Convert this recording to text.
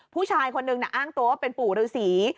ผู้ชายคนนึงอ้างตัวว่าเป็นปู่ฤษี